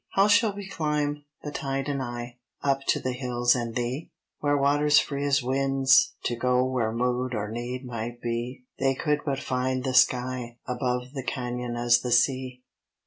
How shall we climb the tide and I Up to the hills and thee? Were waters free as winds, to go Where mood or need might be, They could but find the sky, above The cañon as the sea.